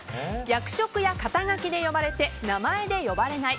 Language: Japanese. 役職や肩書で呼ばれて名前で呼ばれない